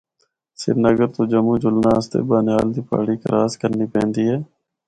سری نگر تو جموں جلنا آسطے بانہال دی پہاڑی کراس کرنی پیندی اے۔